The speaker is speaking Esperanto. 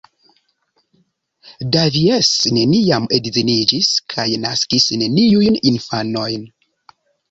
Davies neniam edziniĝis kaj naskis neniujn infanojn.